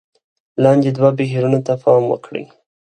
لاندې دوو بهیرونو ته پام وکړئ: